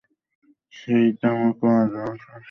সেই তামাকও আমি সেজে দেই।